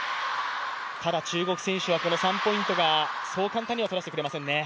ただ中国選手はこの３ポイントがそう簡単には取らせてくれませんね。